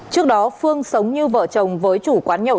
trước đó phương sống như vợ chồng với chủ quán nhậu